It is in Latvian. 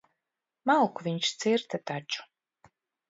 Malku viņš cirta taču.